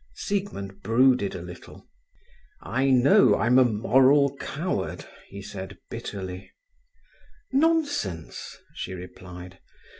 Siegmund brooded a little. "I know I'm a moral coward," he said bitterly. "Nonsense" she replied.